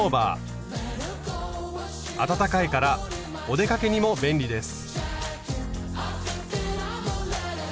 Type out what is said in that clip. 暖かいからお出かけにも便利です。